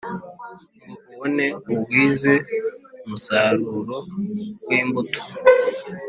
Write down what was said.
Ngo ubone ugwize umusaruro wimbuto